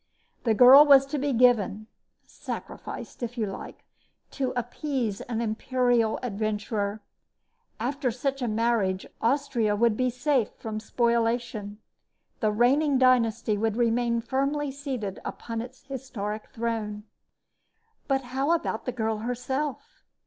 The girl was to be given sacrificed, if you like to appease an imperial adventurer. After such a marriage, Austria would be safe from spoliation. The reigning dynasty would remain firmly seated upon its historic throne. But how about the girl herself?